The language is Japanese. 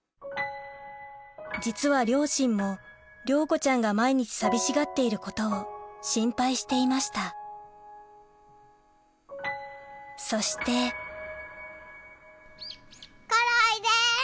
実は両親も亮子ちゃんが毎日寂しがっていることを心配していましたそしてコロおいで！